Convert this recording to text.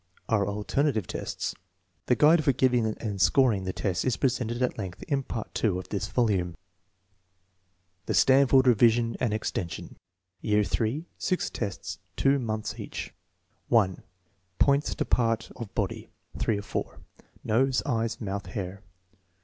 are alternative tests. The guide for giving and scoring the tests is presented at length in Part II of this volume. The Stanford revision and extension Year IIL (6 tests, 2 months each.) 1. Points to parts of body. (3 of 4.) Nose; eyes; mouth; hair.